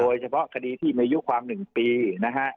โดยเฉพาะคดีที่มีอายุความ๑ปีนะฮะ